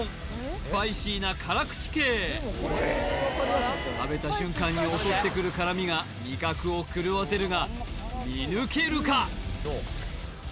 スパイシーな辛口系食べた瞬間に襲ってくる辛味が味覚を狂わせるが見抜けるか？